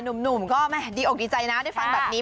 หนุ่มก็แม่ดีอกดีใจนะได้ฟังแบบนี้